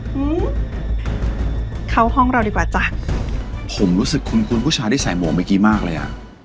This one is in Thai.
อืมเข้าห้องเราดีกว่าจ้ะผมรู้สึกคุ้นคุณผู้ชายที่ใส่หมวกเมื่อกี้มากเลยอ่ะ